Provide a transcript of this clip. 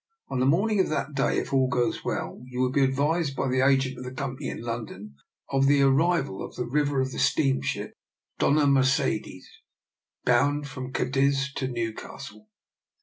On the morning of that day, if all goes well, you will be advised by the agent of the Company in London of the ar rival in the river of the steamship Dofia Mer cedes, bound from Cadiz to Newcastle.